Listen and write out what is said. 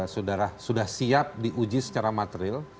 sudah siap diuji secara material